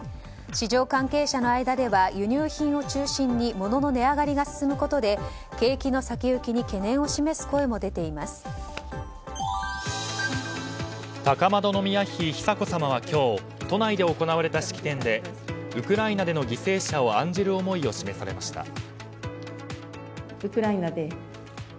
市場関係者の間では輸入品を中心に物の値上がりが進むことで景気の先行きに高円宮妃久子さまは今日、都内で行われた式典でウクライナでの犠牲者を案じる思いを示されました。